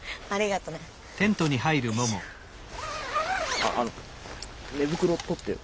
ああの寝袋取ってよ。